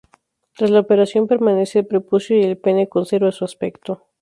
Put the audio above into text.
Tras la operación, permanece el prepucio y el pene conserva su aspecto.